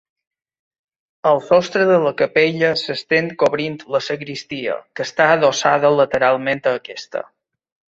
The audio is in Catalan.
El sostre de la capella s'estén cobrint la sagristia que està adossada lateralment a aquesta.